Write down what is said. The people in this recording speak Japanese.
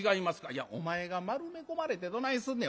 「いやお前が丸め込まれてどないすんねん。